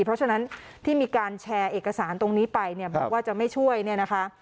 เพราะฉะนั้นที่มีการแชร์เอกสารตรงนี้ไปเนี่ยบอกว่าจะไม่ช่วยเนี่ยนะคะ